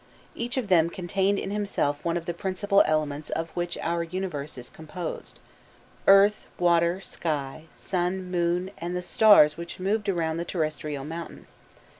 Each of them contained in himself one of the principal elements of which our universe is composed, earth, water, sky, sun, moon, and the stars which moved around the terrestrial mountain.